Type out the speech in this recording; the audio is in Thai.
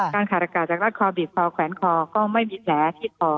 ขาดอากาศจากรัดคอบีบคอแขวนคอก็ไม่มีแผลที่คอ